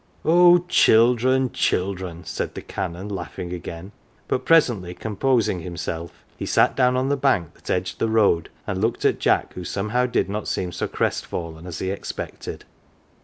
" Oh, children, children !" said the Canon laughing again, but presently composing himself, he sat down on the bank that edged the road, and 'looked at Jack, who somehow did not seem so crestfallen as he expected.